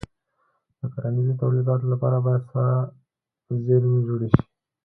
د کرنیزو تولیداتو لپاره باید سړه زېرمې جوړې شي.